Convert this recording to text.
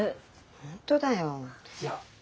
本当だよ。